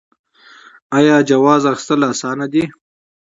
آیا د جواز اخیستل اسانه دي؟